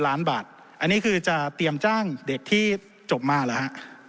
ล้านบาทอันนี้คือจะเตรียมจ้างเด็กที่จบมาเหรอฮะ